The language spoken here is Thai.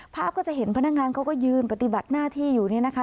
ภาพก็จะเห็นพนักงานเขาก็ยืนปฏิบัติหน้าที่อยู่นี่นะคะ